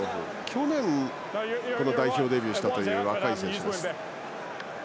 去年、代表デビューしたという若い選手です。